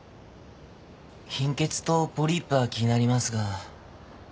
貧血とポリープは気になりますが。